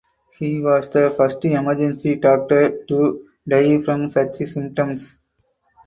He was the first emergency doctor to die from such symptoms.